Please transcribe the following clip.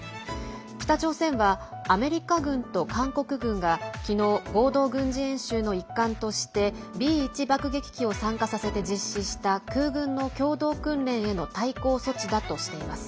北朝鮮は、アメリカ軍と韓国軍が昨日、合同軍事演習の一環としてＢ１爆撃機を参加させて実施した空軍の共同訓練への対抗措置だとしています。